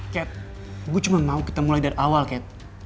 kat gue cuma mau ketemu lagi dari awal kat